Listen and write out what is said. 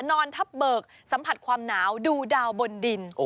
นอนทับเบิกสัมผัสความหนาวดูดาวบนดิน